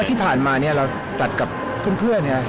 ที่ผ่านมาตัดกับเพื่อน